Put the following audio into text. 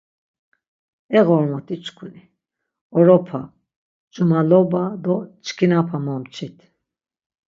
E ğormoti-çkuni! Oropa, cumaloba do çkinapa momçit.